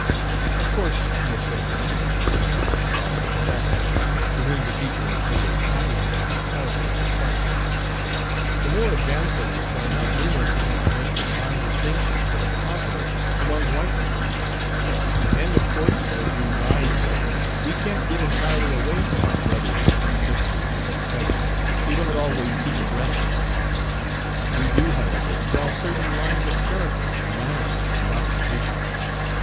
" Of course, Miss Hohlfelder," explained Mr. Solomon Sadler, to whom the teacher had paid a compliment on the quality of the class, "the more advanced of us are not numerous enough to make the fine distinctions that are possible among white people; and of course as we rise in life we can't get entirely away from our brothers and our sisters and our cousins, who don't always keep abreast of us. We do, however, draw certain lines of character and manners and occupation.